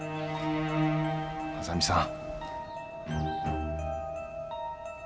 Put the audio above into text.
浅見さん。